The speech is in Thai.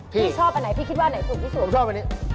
พี่ชอบอันไหนพี่คิดว่าอันไหนสุดที่สุด